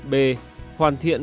b hoàn thiện